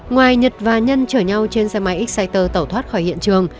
ngoài nhật và nhân chở nhau trên xe máy exciter tẩu thoát khỏi hiện trường